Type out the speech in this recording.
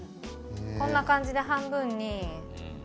こんな感じで半分に。